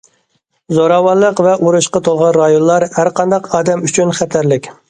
زوراۋانلىق ۋە ئۇرۇشقا تولغان رايونلار ھەر قانداق ئادەم ئۈچۈن خەتەرلىك.